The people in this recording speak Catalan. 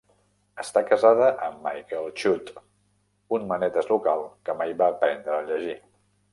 Està casada amb Michael Chute, un manetes local que mai va aprendre a llegir.